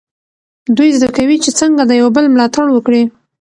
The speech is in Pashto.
دوی زده کوي چې څنګه د یو بل ملاتړ وکړي.